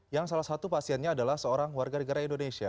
yang salah satu pasiennya adalah seorang warga negara indonesia